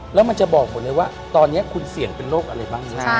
แล้วมันจะบอกหมดเลยว่าตอนนี้คุณเสี่ยงเป็นโรคอะไรบ้าง